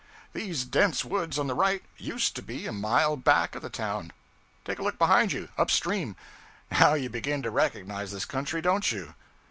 These dense woods on the right used to be a mile back of the town. Take a look behind you up stream now you begin to recognize this country, don't you?'